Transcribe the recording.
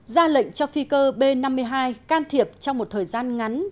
ra lệnh cho phi cơ b năm mươi hai can thiệp trong một thời gian ngắn